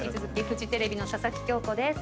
フジテレビの佐々木恭子です。